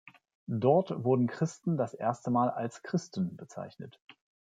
Dort wurden Christen das erste Mal als „Christen“ bezeichnet.